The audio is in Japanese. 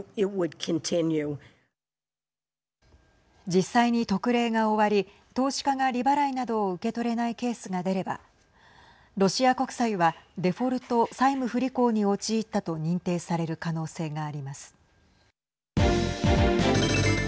実際に特例が終わり投資家が利払いなどを受け取れないケースが出ればロシア国債はデフォルト債務不履行に陥ったと認定される可能性があります。